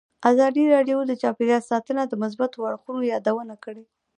ازادي راډیو د چاپیریال ساتنه د مثبتو اړخونو یادونه کړې.